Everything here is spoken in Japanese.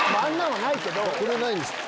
これないんですか？